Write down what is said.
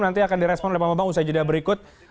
nanti akan direspon oleh pak bambang usai jeda berikut